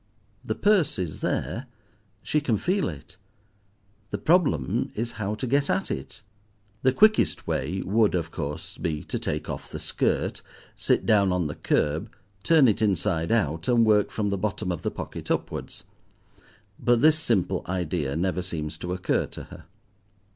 The purse is there, she can feel it, the problem is how to get at it. The quickest way would, of course, be to take off the skirt, sit down on the kerb, turn it inside out, and work from the bottom of the pocket upwards. But this simple idea never seems to occur to her.